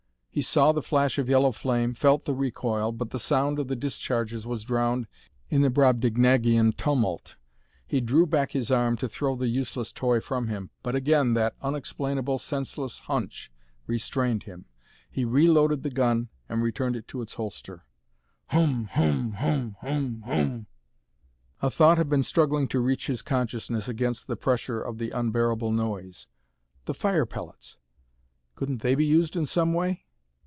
He saw the flash of yellow flame, felt the recoil, but the sound of the discharges was drowned in the Brobdignagian tumult. He drew back his arm to throw the useless toy from him. But again that unexplainable, senseless "hunch" restrained him. He reloaded the gun and returned it to its holster. "HOOM! HOOM! HOOM! HOOM! HOOM! HOOM!" A thought had been struggling to reach his consciousness against the pressure of the unbearable noise. The fire pellets! Couldn't they be used in some way?